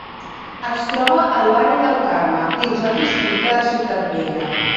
Es troba al barri del Carme, dins el districte de Ciutat Vella.